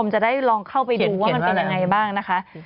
จะได้ลองเข้าไปดูว่ามันเป็นยังไงบ้างนะคะ